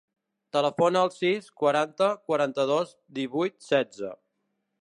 Telefona al sis, quaranta, quaranta-dos, divuit, setze.